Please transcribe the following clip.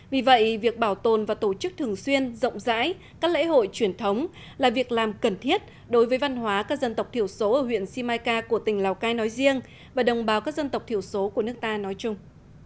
vì vậy việc bảo tồn và tổ chức thường xuyên rộng rãi các lễ hội truyền thống là việc làm cần thiết đối với văn hóa các dân tộc thiểu số ở huyện simacai của tỉnh lào cai nói riêng và đồng bào các dân tộc thiểu số của nước ta nói chung